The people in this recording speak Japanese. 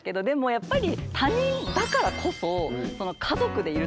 やっぱり。